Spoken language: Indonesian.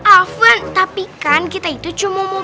afwan tapi kan kita itu cuma mau